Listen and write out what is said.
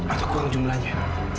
atau kurang jumlahnya